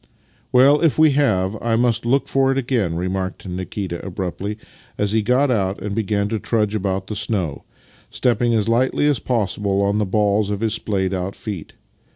" Well, if we have, I must look for it again," re marked Nikita abruptly as he got out and began to trudge about the snow, stepping as lightly as possible on the balls of his splayed out feet.